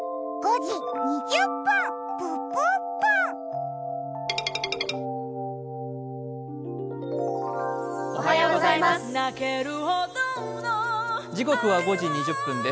時刻は５時２０分です。